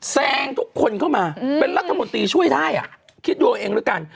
แซงทุกคนเข้ามาเป็นรัฐมนตรีช่วยได้อ่ะคิดดูเอาเองแล้วกัน